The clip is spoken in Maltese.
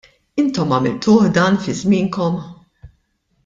Intom għamiltuh dan fi żmienkom?